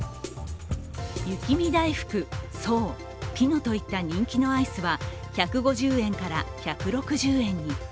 雪見だいふく、爽、ピノといった人気のアイスは１５０円から１６０円に。